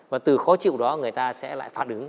và từ khó chịu đó người ta sẽ lại phản ứng